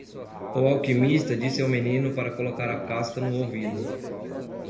O alquimista disse ao menino para colocar a casca no ouvido.